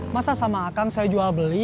masa sama akang saya jual beli